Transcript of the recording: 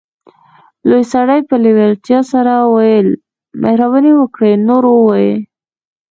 لوی سړي په لیوالتیا سره وویل مهرباني وکړئ نور ووایئ